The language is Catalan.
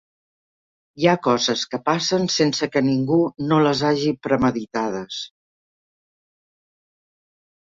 Hi ha coses que passen sense que ningú no les hagi premeditades.